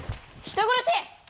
人殺し！